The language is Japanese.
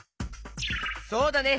そうだね！